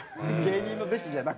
芸人の弟子じゃなくて？